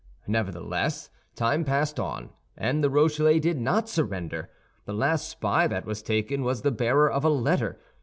Nevertheless, time passed on, and the Rochellais did not surrender. The last spy that was taken was the bearer of a letter.